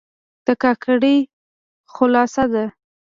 دا کړکي خلاصه ده